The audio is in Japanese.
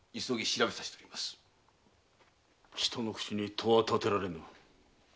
人の口に戸は立てられぬ。